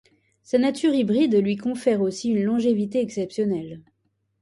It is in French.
Sa nature hybride lui confère aussi une longévité exceptionnelle.